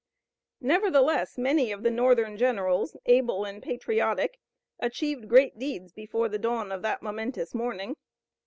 Nevertheless, many of the Northern generals, able and patriotic, achieved great deeds before the dawn of that momentous morning.